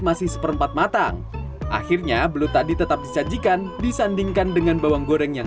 masih seperempat matang akhirnya belut tadi tetap disajikan disandingkan dengan bawang goreng yang